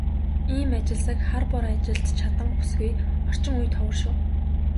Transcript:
Ийм ажилсаг, хар бор ажилд чаданги бүсгүй орчин үед ховор шүү.